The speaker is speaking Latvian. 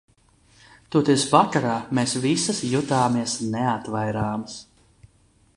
Toties vakarā mēs visas jutāmies neatvairāmas!